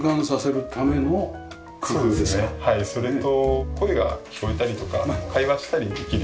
それと声が聞こえたりとか会話したりできるように。